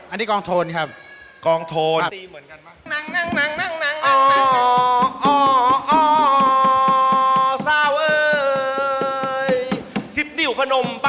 อันิกลองโทนครับ